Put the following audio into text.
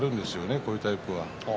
こういうタイプは。